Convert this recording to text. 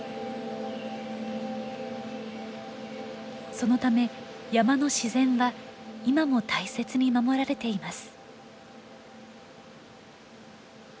そのため山の自然は今も大切に守られています。